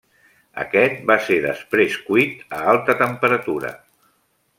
Aquest va ser després cuit a alta temperatura.